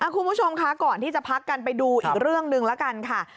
คุณผู้ชมคะก่อนที่จะพักกันไปดูอีกเรื่องหนึ่งแล้วกันค่ะ